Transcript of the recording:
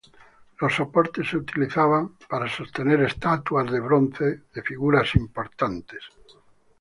Los soportes se utilizaban para sostener estatuas de bronce de figuras importantes.